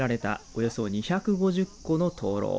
およそ２５０個の灯ろう。